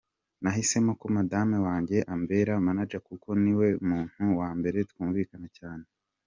Nahisemo ko Madame wanjye ambera manager kuko ni we muntu wa mbere twumvikana cyane.